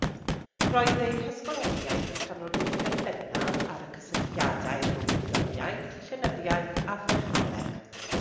Roedd ei hysgoloriaeth yn canolbwyntio'n bennaf ar y cysylltiadau rhwng gwyddoniaeth, llenyddiaeth, a thechnoleg.